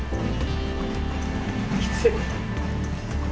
きつい。